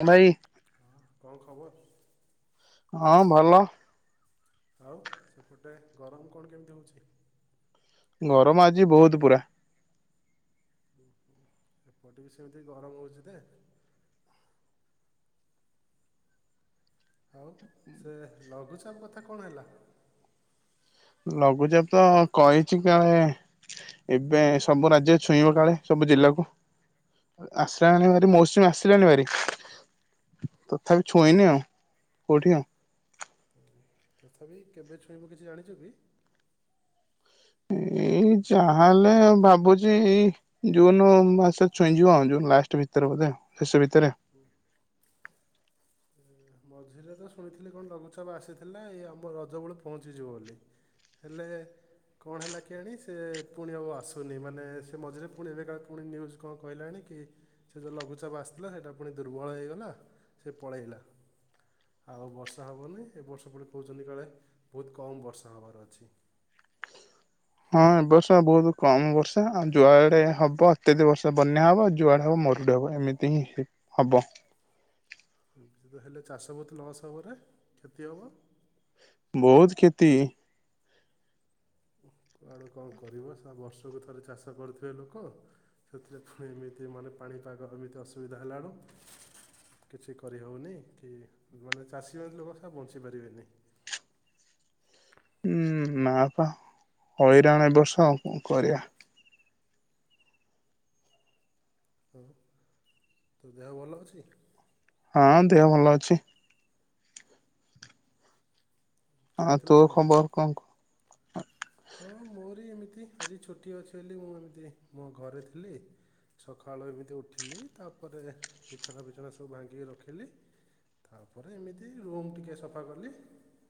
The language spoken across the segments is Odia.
ହଁ ଭାଇ। ହଁ କଣ ଖବର? ହଁ ଭଲ। ଆଉ ସେପଟେ ଗରମ କଣ କେମିତି ହଉଛି? ଗରମ ଆଜି ବହୁତୁ ପୁରା। ଏପଟେ ବି ସେମିତି ଗରମ ହେଉଛି ଦେ। ମଉ ସେ ଲଘୁଚାପ କଥା କଣ ହେଲା? ଲଘୁଚାପ ତ କହିଛି କାହେଁ। ଏବେ ସବୁ ରାଜ୍ୟ ଛୁଇଁବ କାଳେ ସବୁ ଜିଲ୍ଲାକୁ। ଆସିଲାନି ଭାରି ମୌସୁମୀ ଆସିଲାନି ଭାରି। ତଥାପି ଛୁଇଁନି ଆଉ କୋଉଠି ଆଉ। ତଥାପି କେବେ ଛୁଇଁବ କିଛି ଜାଣିଛ କି? ଏଇ ଯାହା ହେଲେ ଭାବୁଛି ଜୁନ ମାସ ଛୁଇଁଯିବ ଆଉ ଜୁନ ଲାଷ୍ଟ ଭିତରେ ବୋଧେ ଶେଷ ଭିତରେ। ଏ ମଝିରେ ତ ଶୁଣିଥିଲି କଣ ଲଘୁଚାପ ଆସିଥିଲା ଏଇ ଆମ ରଜ ବଳ ପହଞ୍ଚିଯିବ ବୋଲି। ହେଲେ କଣ ହେଲା କିଆଣି ସେ ପୁଣି ଆଉ ଆସୁନି ମାନେ ସେ ମଝିରେ ପୁଣି ଏବେ କା ପୁଣି ନ୍ୟୁଜ୍ କଁ କହିଲାଣି କି ସେ ଯଉ ଲଘୁଚାପ ଆସିଥିଲା ସେଇଟା ପୁଣି ଦୁର୍ବଳ ହୋଇଗଲା ସେ ପଳେଇଲା। ଆଉ ବର୍ଷା ହବନି ଏ ବର୍ଷ ପୁଣି କହୁଛନ୍ତି କାଳେ ବହୁତ କମ୍ ବର୍ଷା ହେବାର ଅଛି। ହଁ ଏ ବର୍ଷା ବହୁତ କମ ବର୍ଷା ଆଉ ଯୁଆଡେ ହବ ଅତ୍ୟଧିଅ ବର୍ଷା ବନ୍ୟା ହବ ଆଉ ଯୁଆଡେ ହବ ମରୁ ଡି ଏମିତି ହିଁ ହବ। ହେଲେ ଚାଷ ବହୁତ ଲସ୍ ହବରେ କ୍ଷତି ହବ। ବହୁତୁ କ୍ଷତି। କୁଆଡୁ କଁ କରିବ ସା ବର୍ଷକୁ ଥରେ ଚାଷ କରିଥିବେ ଲୋକ। ସେଥିରେ ଫୁଣି ଏମିତି ମାନେ ପାଣିପାଗ ଏମିତି ଅସୁବିଧା ହେଲାରୁ କିଛି କରିହଉନି କି ବଲେ ଚାଷୀ ହୋଇଥିଲେ ଏ ବର୍ଷ ଆଉ ବଞ୍ଚି ପାରିବେନି। ହୁଁ ନାପା ହଇରାଣ ଏ ବର୍ଷ ଆଉ ଙ୍କ କରିବା। ହଉ ତୋ ଦେହ ଭଲ ଅଛି? ହଁ ଦେହ ଭଲ ଅଛି। ଆଁ ଖାଇଥିଲୁ ତୋ କ'ଣ ଖବର କଁ କ। ହଁ ମୋରି ଏମିତି ଆଜି ଛୁଟି ଅଛି ବୋଲି ମୁଁ ଏମିତି ମୋ ଘରେ ଥିଲି। ସକାଳୁ ଏମିତି ଉଠିଲି ତାପରେ ବିଛଣା ଫିଛଣା ସବୁ ଭାଙ୍ଗିକି ରଖିଲି। ତାପରେ ଏମିତି ରୁମ୍ ଟିକେ ସଫା କଲି,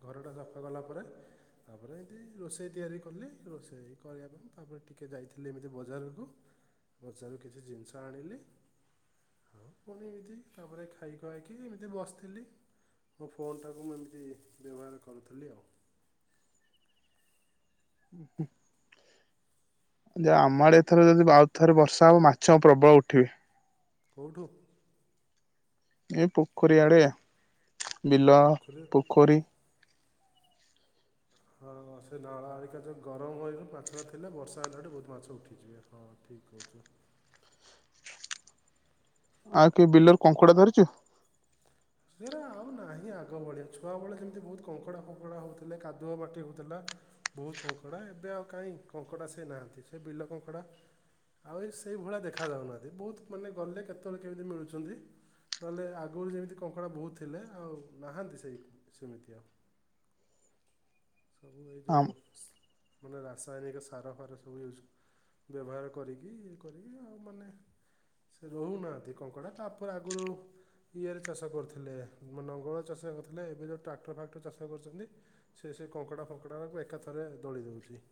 ଘରଟା ସଫା କଲା ପରେ ତାପରେ ଏନ୍ତି ରୋଷେଇ ତିଆରି କଲି ରୋଷେଇ କରିବା ପାଇଁ ତାପରେ ଟିକେ ଯାଇଥିଲି ଏମିତି ବଜାରକୁ। ବଜାରରୁ କିଛି ଜିନିଷ ଆଣିଲି। ଆଉ ପୁଣି ଏମିତି ତାପରେ ଖାଇ ଖୁଆଇକି ଏମିତି ବସଥିଲି। ମୋ ଫୋନଟାକୁ ମୁଁ ଏମିତି ବ୍ୟବହାର କରୁଥିଲି ଆଉ। ହୁଁ। ଯେ ଆମ ଆଡେ ଏଥର ଯଦି ବାଉଥରେ ବର୍ଷା ହବ ମାଛ ମୁଁ ପ୍ରବଳ ଉଠିଏ। କଉଠୁ? ଏ ପୋଖରୀ ଆଡେ, ବିଲ, ପୋଖରୀ ପୋଖରୀ। ହଁ ସେ ନଳା ଆଳିକା ଯୋଉ ଗରମ ହୋଇ ମାଛଟା ଥିଲା, ବର୍ଷା ହେଲାଠୁ ବହୁତ ମାଛ ଉଠିଯିବେ, ହଁ ଠିକ୍ କହୀଛୁ। ଆଉ କେ ବିଲରୁ କଙ୍କଡ଼ା ଧରିଚୁ? ସେରା ଆଉ ନାହିଁ ଆଗ ଭଳିଆ, ଛୁଆବେଳେ ଯେମିତି ବହୁତ କଙ୍କଡ଼ା ଫଙ୍କଡ଼ା ହୋଉଥିଲେ, କାଦୁଅ ମାଟି ହଉଥିଲା ବହୁତ କଙ୍କଡା, ଏବେ ଆଉ କାଇଁ କଙ୍କଡା ସେ ନାହାନ୍ତି, ସେ ବିଲ କଙ୍କଡା ଆଉ ଏ ସେଇ ଭଳିଆ ଦେଖାଯାଉନାହାଁନ୍ତି, ବହୁତ ମାନେ ଗଲେ କେତେବେଳେ କେମିତି ମିଳୁଛନ୍ତି। ନହେଲେ ଆଗୁରୁ ଯେମିତି କଙ୍କଡା ବହୁତ ଥିଲେ, ଆଉ ନାହାନ୍ତି ସେଇ ସେମିତି ଆଉ। ଏ ଯୋଉ ମାନେ ରାସାୟନିକ ସାର ଫାର ସବୁ ୟୁଜ୍ ବ୍ୟବହାର କରିକି, ଇଏ କରିକି ଆଉ ମାନେ ରହୁନାହାନ୍ତି କଙ୍କଡ଼ା, ତାପରେ ଆଗୁରୁ ଇଏରେ ଚାଷ କରୁଥିଲେ, ନଙ୍ଗଳ ଚାଷ କରୁଥିଲେ, ଏବେ ଯୋଉ ଟ୍ରାକ୍ଟର ଫାକ୍ଟର ଚାଷ କରୁଛନ୍ତି। ସିଏ ସେ କଙ୍କଡା ଫଙ୍କଡାକୁ ଏକାଥରେ ଦଳି ଦଉଛି।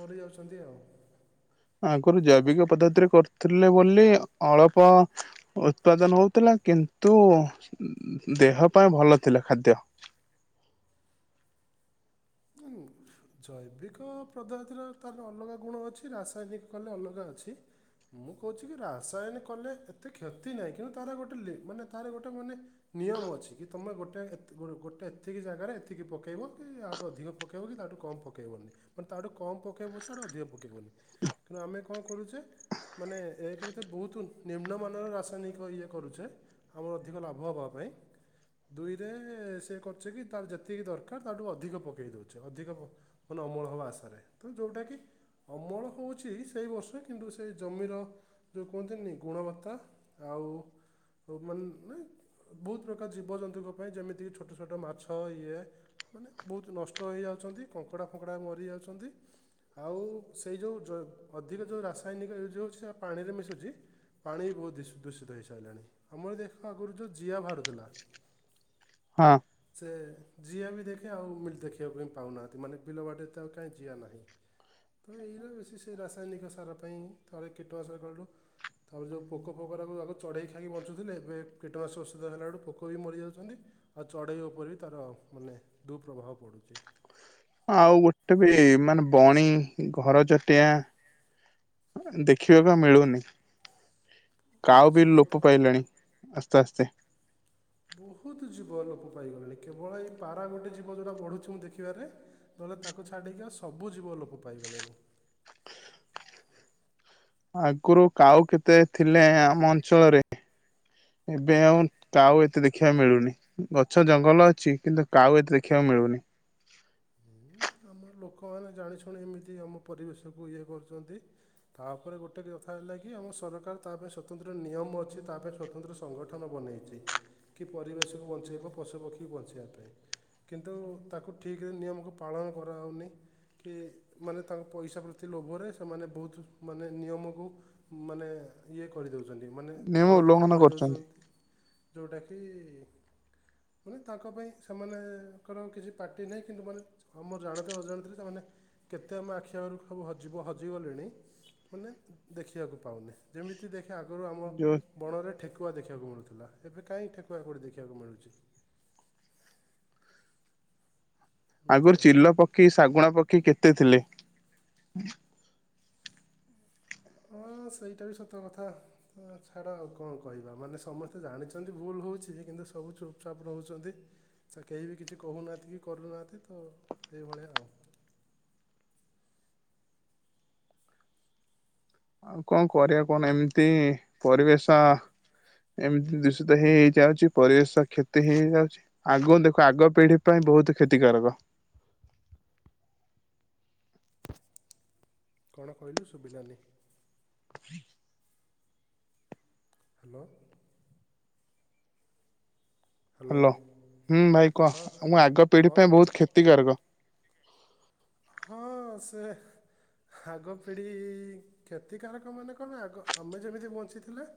ମରିଯାଉଛନ୍ତି ଆଉ। ଆଗୁରୁ ଜୈବିକ ପଦ୍ଧତିରେ କରୁଥିଲେ ବୋଲି ଅଳପ ଉତ୍ପାଦନ ହଉଥିଲା, କିନ୍ତୁ ଦେହ ପାଇଁ ଭଲ ଥିଲା ଖାଦ୍ୟ। ହୁଁ। ଜୈବିକ ପଧତିର ତାର ଅଲଗା ଗୁଣ ଅଛି, ରାସାୟନିକ କଲେ ଅଲଗା ଅଛି। ମୁଁ କହୁଛି କି ରାସାୟନି କଲେ ଏତେ କ୍ଷତି ନାହିଁ, କିନ୍ତୁ ତାର ଗୋଟେ ଲି ମାନେ ତାର ଗୋଟେ ମାନେ ନିୟମ ଅଛି, କି ତମେ ଗୋଟେ ଏ ଗୋଟେ ଏତିକି ଜାଗାରେ ଏତିକି ପକେଇବ କି ଅଧିକ ପକେଇବ କି ତାଠୁ କମ ପକେଇବନି ତାଠୁ କମ ପକେଇବ ପଛେ, ଅଧିକ ପକେଇବନି। କାଇନା ଆମେ କଣ କରୁଚେ ମାନେ, ଏ କରେ ତ ବହୁତ ନିମ୍ନମାନର ରାସାୟନିକ ଇଏ କରୁଛେ। ଆମର ଅଧିକ ଲାଭ ହବା ପାଇଁ। ଦୁଇରେ ସେ କରୁଚି କି, ତାର ଯେତିକି ଦରକାର ତାଠୁ ଅଧିକ ପକ ପକେଇ ଦଉଛେ, ଅଧିକ ମାନେ ଅମଳ ହବ ଆଶାରେ, ତ ଯୋଉଟା କି ଅମଳ ହଉଛି ସେଇ ବର୍ଷେ କିନ୍ତୁ ସେ ଜମିର ଯୋଉ କୁହନ୍ତିନି ଗୁଣବତ୍ତା ଆଉ ମାନେ ବହୁତ ପ୍ରକାର ଜୀବଜନ୍ତୁଙ୍କ ପାଇଁ ଯେମିତିକି ଛୋଟ ଛୋଟ ମାଛ, ଇଏ ମାନେ ବହୁତ ନଷ୍ ଟ ହେଇଯାଉଛନ୍ତି, କଙ୍କଡ଼ା, ଫଙ୍କଡ଼ା ମରିଯାଉଛନ୍ତି। ଆଉ ସେଇ ଯୋଉ ଯ ଅଧିକ ଯୋଉ ରାସାୟନିକ ୟୁଜ୍ ହଉଛି, ସେରା ପାଣିରେ ମିଶୁଛି। ପାଣି ବି ବହୁତ ଦୂ ଦୂଷିତ ହେଇସାରିଲାଣି, ଆମର ଦେଖିବା ଆଗରୁ ତ ଜିଆ ବାହାରୁଥିଲା। ହଁ। ସେ ଯିିଆ ବି ଦେଖେ, ଆଉ [unintelligible] ଦେ ଖିବା ପାଇଁ ପାଉନାହାନ୍ତି ମାନେ ବିଲବାଡିରେ ତ ଆଉ କାଇଁ ଜିଆ ନାହିଁ। ତ ଏଇରା ବେଶୀ ସେ ରାସାୟନିକ ସାର ପାଇଁ ଥରେ କୀଟନାସକ କଲୁ। ତାପରେ ଯୋଉ ପୋକ ଫୋକା ଗରାକୁ ଆଗୁ ଚଢ଼େଇ ଖାଇକି ବଞ୍ଚୁଥିଲେ ଏବେ କୀଟନାସକ ଔଷଧ ହେଲାଠୁ ପୋକ ବି ମରିଯାଉଛନ୍ତି! ଆଉ ଚଢେଇ ଉପରେ ବି ତାର ମାନେ ଦୁଃପ୍ରଭାବ ପଡୁଛି। ଆଉ ଗୋଟେ ବି ମାନେ ବଣୀ ଘରଚଟିଆ ଦେଖିବାକୁ ମିଳୁନି। ବହୁତ କାଉ ବିି ଜୀବ ଲୋପ ଥି- ପାଇଲାଣି ଆସ୍ତେ ଆସ୍ତେ! ବହୁତ ଜୀବ ଲୋପ ପାଇଗଲେଣି କେବଳ ଏଇ ପାରା ଗୋଟେ ଜୀବ ଯଉଟା ବଢୁଛି ମୁଁ ଦେଖିବାରେ! ନହେଲେ ତାକୁ ଛାଡିକି ଆଉ ସବୁ ଜୀବ ଲୋପ ପାଇଗଲେଣି। ଆଗୁରୁ କାଉ କେତେ ଥିଲେ ଆମ ଅଞ୍ଚଳରେ। ଏବେ ଆଉ କାଉ ଏତେ ଦେଖିବାକୁ ମିଳୁନି। ଗଛ ଜଙ୍ଗଲ ଅଛି କିନ୍ତୁ କାଉ ଏତେ ଦେଖିବାକୁ ମିଳୁନି। ଆମ ଲୋକମାନେ ଜାଣିଶୁଣି ଏମିତି ଆମ ପରିବେଶକୁ ଇଏ କରୁଛନ୍ତି। ତାପରେ ଗୋଟେ କଥା ହେଲା କି ଆମ ସରକାର ତା ପାଇଁ ସ୍ଵତନ୍ତ୍ର ନିୟମ ଅଛି ତା ପାଇଁ ସ୍ଵତନ୍ତ୍ର ସଂଗଠନ ବନେଇଛି କି ପରିବେଶକୁ ବଞ୍ଚେଇବ ପଶୁପକ୍ଷୀକୁ ବଞ୍ଚେଇବା ପାଇଁ। କିନ୍ତୁ ତାକୁ ଠିକ୍ ରେ ନିୟମକୁ ପାଳନ କରାହୋଉନେଇ। କି ମାନେ ତାଙ୍କ ପଇସା ପ୍ରତି ଲୋଭରେ ସେମାନେ ବହୁତ ମାନେ ନିୟମକୁ ମାନେ ଇଏ କରିଦଉଛନ୍ତି ମାନେ ନିୟମ ଅଣଦେଖା ଉଲ୍ଲଂଘନ କରୁଛନ୍ତି। କରିଦଉଛନ୍ତି। ଯୋଉଟାକି ମାନେ ତାଙ୍କ ପାଇଁ ସେମାନେଙ୍କର କିଛି ପାଟ୍ କିଛି ନାହିଁ କିନ୍ତୁ ମାନେ ଆମ ଜାଣତ ଅଜାଣତରେ ସେମାନେ କେତେ ଆମ ଆଖି ଆଗରୁ ସବୁ ହଜିବ ହଜିଗଲେଣି ମାନେ ଦେଖିବାକୁ ପାଉନେ। ଯେମିତି ଦେଖେ ଆଗରୁ ଆମ ଯୋଉ ବଣରେ ଠେକୁଆ ଦେଖିବାକୁ ମିଳୁଥିଲା ଏବେ କାହିଁ ଠେକୁଆ କୋଉଠି ଦେଖିବାକୁ ମିଳୁଛି। ଏମିତି ଆଗରୁ ଆଉ ଚିଲ ପକ୍ଷୀ ଶାଗୁଣା ପକ୍ଷୀ କେତେ ଥିଲେ। ହଁ ସେଇଟା ବି ସତ କଥା। ଆ ଛାଡ ଆଉ କଣ କହିବା ମାନେ ସମସ୍ତେ ଜାଣିଚନ୍ତି ଭୁଲ ହଉଛି କିନ୍ତୁ ସବୁ ଚୁପ୍ ଚାପ୍ ରହୁଛନ୍ତି। ଆଛା କେହି ବି କିଛି କହୁନାହାନ୍ତି କି କରୁନାହାନ୍ତି ତ ଏଇଭଳିଆ ଆଉ। ଆଉ କଣ କରିବା କଉନ ଏମିତି ପରିବେଶ ଏମିତି ଦୂଷିତ ହେଇ ଯାଉଛି ପରିବେଶ କ୍ଷତି ହେଇଯାଉଛି ଆଗ ଦେଖ ଆଗ ପିଢି ପାଇଁ ବହୁତ କ୍ଷତିକାରକ। କଣ କହିଲୁ ଶୁଭିଲାନି। [inaudible] ହାଲୋ। ହାଲୋ ହ୍ୟାଲୋ ହୁଁ ଭାଇ କହ ହଁ ଆମ ଆଗ ପିଢି କଣ ପାଇଁ ବହୁତ କ୍ଷତିକାରକ। ହଁ ସେ ଆଗ ପିଢ଼ି କ୍ଷତିକାରକ ମାନେ କଣ ଆଗ ଆମେ ଯେମିତି ବଞ୍ଚିଥିଲେ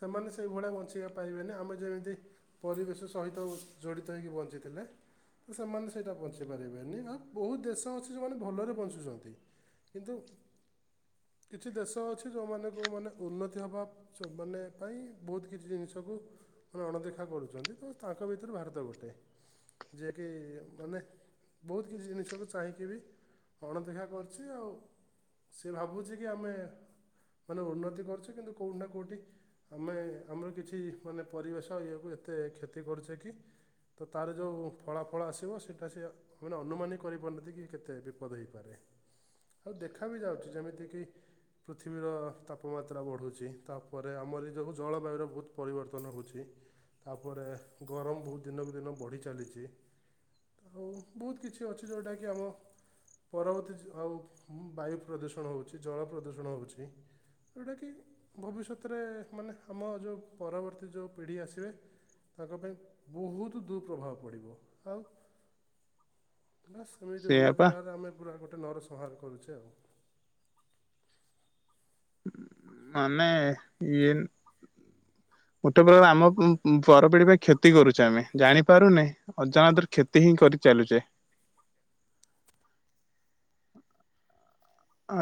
ସେମାନେ ସେଇଭଳିଆ ବଞ୍ଚେବା ପାଇବେନି ଆମେ ଯେମିତି ପରିବେଶ ସହିତ ଓ ଜଡ଼ିତ ହେଇକି ବଞ୍ଚିଥିଲେ। ତ ସେମାନେ ସେଇଟା ବଞ୍ଚି ପାରିବେନି ଆଁ ବହୁତ ଦେଶ୍ ସ ତ ଅଛି ଯୋଉ ମାନେ ଭଲରେ ବଞ୍ଚୁଛନ୍ତି କିନ୍ତୁ କିଛି ଦେଶ ଅଛି ଯୋଉମାନଙ୍କୁ ମାନେ ଉନ୍ନତି ହେବା ସ ମାନେ ପାଇଁ ବହୁତ କିଛି ଜିନିଷକୁ ମାନେ ଅଣଦେଖା କରୁଛନ୍ତି ତ ତାଙ୍କ ଭିତରେ ଭାରତ ଗୋଟେ। ଯେ କି ମାନେ ବହୁତ କିଛି ଜିନିଷକୁ ପାଇଁକି ବି ଅଣଦେଖା କରୁଚି ଆଉ ସେ ଭାବୁଛି କି ଆମେ ମାନେ ଉନ୍ନତି କରୁଚି କିନ୍ତୁ କୋଉଠି ନା କୋଉଠି ଆମେ ଆମର କିଛି ମାନେ ପରିବେଶ ଇଏକୁ ଏତେ କ୍ଷତି କରୁଛେ କି? ତ ତାର ଯେଉଁ ଫଳାଫଳ ଆସିବ ସେଟା ସେ ମାନେ ଅନୁମାନି କରିପାରୁନି। ଯେତି କି କେତେ ବିପଦ ହେଇପାରେ ଆଉ ଦେଖା ବି ଯାଉଚି ଯେମିତି କି? ପୃଥିବୀର ତାପମାତ୍ରା ବଢ଼ୁଚି ତାପରେ ଆମରି ଯୋଗୁ ଜଳବାୟୁର ବୋହୁତ ପରିବର୍ତ୍ତନ ହୋଉଚି। ତାପରେ ଗରମ ବୋହୁତ ଦିନକୁ ଦିନ ବଢ଼ି ଚାଲିଚି। ଆଉ ବୋହୁତ କିଛି ଅଛି ଯୋଉଟା କି ଆମ ପରବର୍ତ୍ତୀ ଆଉ ବାୟୁ ପ୍ରଦୂଷଣ ହେଉଛି ଜଳ ପ୍ରଦୂଷଣ ହେଉଛି। ଯୋଉଟାକି ଭବିଷ୍ୟତରେ ମାନେ ଆମ ଯୋଉ ପରବର୍ତ୍ତୀ ଯୋଉ ପିଢ଼ି ଆସିବେ ତାଙ୍କ ପାଇଁ ବୋଉତ ଦୁପ୍ରଭାବ ପଡିବ ଆଉ ବାଶ୍ ତମେ ଯଦି ସେଇଆ ପା ଉନ୍ନତି ନାଁରେ ଆମେ ପୁରା ଗୋଟେ ନର ସଂହାର କରୁଛେ ଆଉ। ମାନେ ଏଇନ୍‌ ଗୋଟେ ପ୍ରକାର ଆମ ପରପିଢି ପାଇଁ କ୍ଷତି କରୁଛେ ଆମେ ଜାଣିପାରୁନେ ଅଜାଣତରେ କ୍ଷତି ହିଁ କରି ଚାଲୁଚେ।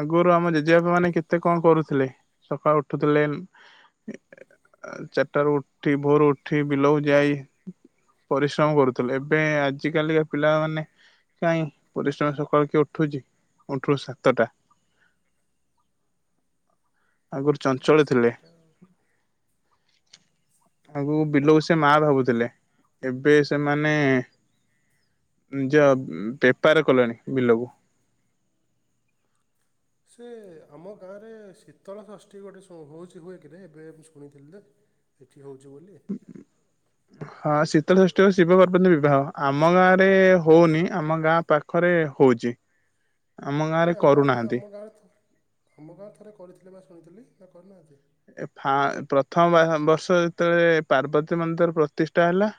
ଆଗରୁ ଆମ ଜେଜେବାପା ମାନେ କେତେ କଣ କରୁଥିଲେ ସକାଳୁ ଉଠୁଥିଲେ। ଚାରିଟାରୁ ଉଠି ଭୋରୁ ଉଠି ବିଲକୁ ଯାଇ ପରିଶ୍ରମ କରୁଥିଲ ଏବେ ଆଜି କାଲିିକା ପିଲାମାନେ କାଇଁ ପରିଶ୍ରମ ସକାଳ କିଏ ଉଠୁଚି ଅଠୁଚି ସାତଟା। ଆଗରୁ ଚଞ୍ଚଳ ଥିଲେ। ସେଇଟା ଆଉ ଆଗକୁ ବିଲକୁ ସେ ମା ଭାବୁଥିଲେ ଏବେ ସେମାନେ ନିଜ ବେପାର କଲେଣି ବିଲକୁ। ସେ ଆମ ଗାଁରେ ଶୀତଳ ଷଷ୍ଠୀ ଗୋଟେ ହୋଉଚି ହୁଏ କିରେ ଏବେ ମୁ ଶୁଣିଥିଲି ଯେ? ଏଇଠି ହୋଉଚି ବୋଲି। ହୁଁ। ହଁ ଶୀତ ଷଷ୍ଠୀ ଓ ଶିବ ପର୍ବତୀ ବିବାହ ଆମ ଗାଁ ରେ ହୋଉନି ଆମ ଗାଁ ପାଖ ପାଖରେ ହୋଉଚି ଆମ ଗାଁ ରେ କରୁନାହାନ୍ତି। ଅର୍ଥ ଆମ ଗାଁ ଥରେ କରିଥିଲେ ବା ଶୁଣିଥିଲି ନା କରିନାହାନ୍ତି? ଏ ଫା ପ୍ରଥମ ବର୍ଷ ଯେତେବେଳେ ପାର୍ବତୀ ମନ୍ଦିର ପ୍ରତିଷ୍ଠା ହେଲା ହଁ।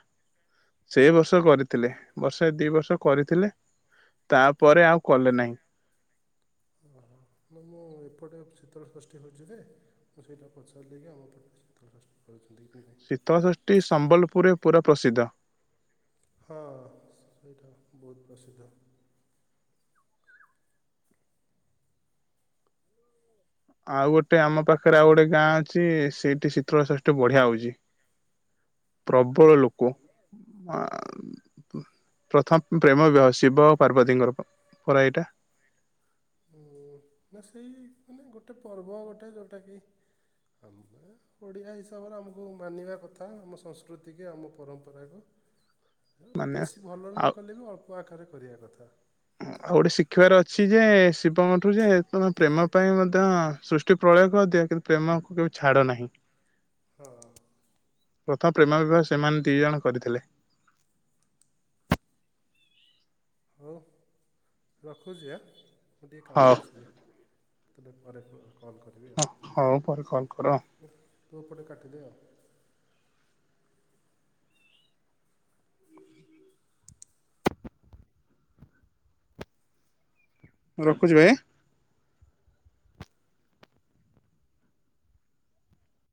ସେଏ ବର୍ଷ କରିଥିଲେ ବର୍ଷେ ଦିଇ ବର୍ଷ କରିଥିଲେ ତାପରେ ଆଉ କଲେ ନାହିଁ। ଓହୋ ନା ମୁଁ ଏପଟେ ଶୀତଳ ଷଷ୍ଠୀ ହୋଉଚି ଯେ। ମୁଁ ସେଇଟା ପଚାରିଲିକି ଆମ ପଟରେ ସିତଳ ସଷ୍ଟି କରୁଚନ୍ତି କି ନାହିଁ। ଶିତଳଷଷ୍ଠୀ ସମ୍ବଲପୁରରେ ପୁରା ପ୍ରସିଦ୍ଧ। ହଁ ସେଇଟା ବୋହୁତ ପ୍ରସିଦ୍ଧ। ଆଉ ଗୋଟେ ଆମ ପାଖରେ ଆଉ ଗୋଟେ ଗାଁ ଅଛି ସେଇଠି ଶୀତଳ ଶଷ୍ଟି ବଢିଆ ହଉଚି। ପ୍ରବଳ ଲୋକ ଆ ପ୍ରଥମ ପ୍ରେମ ବିବାହ ଶିବ ପାର୍ବତୀଙ୍କର ପର ଏଇଟା ନା ସେଇ ମାନେ ଗୋଟେ ପର୍ବ ଗୋଟେ ଯେଉଟାକି ଆ ମାନେ ଓଡ଼ିଆ ହିସାବରେ ଆମକୁ ମାନିବା କଥା ଆମ ସଂସ୍କୃତି କି ଆମ ପରମ୍ପରାକୁ। ମାନେ ବେଶୀ ଭଲରେ ଆଉ ନକଲେ ବି ଅଳ୍ପ ଆକାରେ କରିବା କଥା। ଆଉ ଗୋଟେ ଶିଖିବାର ଅଛି ଯେ ଶିବଙ୍କ ଠୁ ଯେ ତମ ପ୍ରେମ ପାଇଁ ମଧ୍ୟ ତି ପ୍ରଳୟ କରଦିଅ କିନ୍ତୁ ପ୍ରେମଙ୍କୁ କେବେ ଛାଡ ନାହିଁ। ହଁ। ପ୍ରଥମ ପ୍ରେମ ବିବାହ ସେମାନେ ଦି ଜଣ କରିଥିଲେ। ହଉ ରଖୁଛି ଆ, ମୁଁ ଟିକେ କାମ ହଉ କରୁଛି ଏବେ। ତାଲେ ପରେ କ-କଲ୍ କରି ହଁ ହଉ ପରେ କଲ୍ କର। [unintelligible] ତୁ ଏପଟେ କାଟିଦେ ଆଉ। ହଁ ରଖୁଛି ଭାଇ।